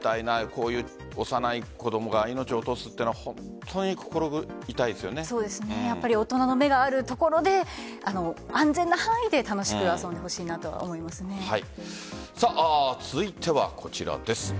こういう幼い子供が命を落とすというのは大人の目がある所で安全な範囲で楽しく遊んでほしいなと続いてはこちらです。